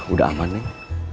udah aman neng